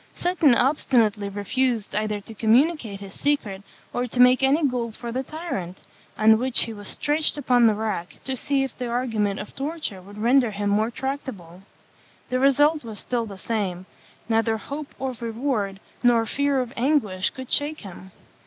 Seton obstinately refused either to communicate his secret, or to make any gold for the tyrant; on which he was stretched upon the rack, to see if the argument of torture would render him more tractable. The result was still the same; neither hope of reward nor fear of anguish could shake him.